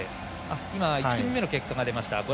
１組目の結果が出ました。